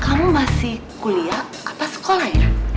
kamu masih kuliah atau sekolah ya